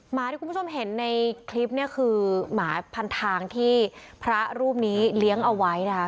หมาที่คุณผู้ชมเห็นในคลิปเนี่ยคือหมาพันทางที่พระรูปนี้เลี้ยงเอาไว้นะคะ